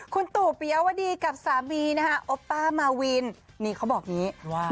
คุณตู่ปิยวดีกับสามีนะฮะโอป้ามาวินนี่เขาบอกอย่างนี้ว่า